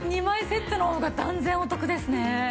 ２枚セットの方が断然お得ですね。